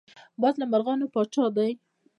باز د مرغانو پاچا دی